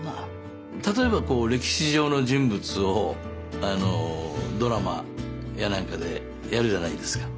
例えばこう歴史上の人物をドラマやなんかでやるじゃないですか。